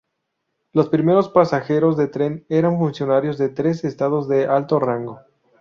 Los primeros pasajeros del tren eran funcionarios de tres estados de alto rango.